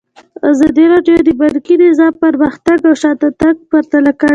ازادي راډیو د بانکي نظام پرمختګ او شاتګ پرتله کړی.